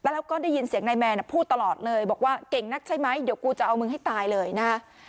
แล้วก็ได้ยินเสียงนายแมนพูดตลอดเลยบอกว่าเก่งนักใช่ไหมเดี๋ยวกูจะเอามึงให้ตายเลยนะฮะ